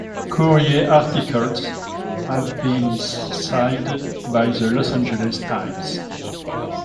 "Courier" articles have been cited by the "Los Angeles Times".